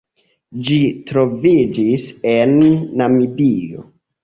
Ĝi troviĝis en Namibio.